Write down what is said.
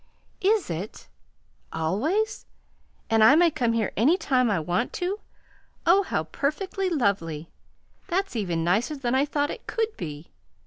"Is it? Always? And I may come here any time I want to? Oh, how perfectly lovely! That's even nicer than I thought it could be.